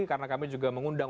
karena kami juga mengundang